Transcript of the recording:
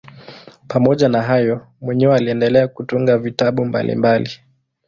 Pamoja na hayo mwenyewe aliendelea kutunga vitabu mbalimbali.